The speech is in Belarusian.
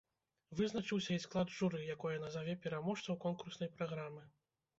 Вызначыўся і склад журы, якое назаве пераможцаў конкурснай праграмы.